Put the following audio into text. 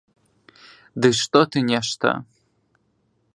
Ды што ты нешта?